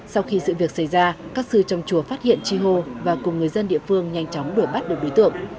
sau khi sự việc xảy ra các sư trong chùa phát hiện chi hô và cùng người dân địa phương nhanh chóng đuổi bắt được đối tượng